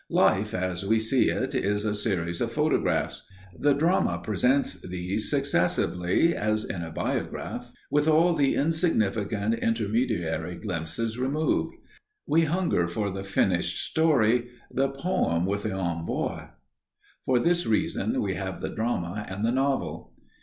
Life, as we see it, is a series of photographs. The drama presents these successively as in a biograph, with all the insignificant intermediary glimpses removed. We hunger for the finished story, the poem with the envoy. For this reason we have the drama and the novel.